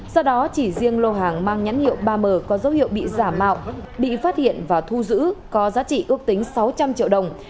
sau đó chỉ riêng lô hàng mang nhãn hiệu ba m có dấu hiệu bị giả mạo bị phát hiện và thu giữ có giá trị ước tính sáu trăm linh triệu đồng